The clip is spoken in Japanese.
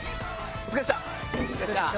お疲れっした。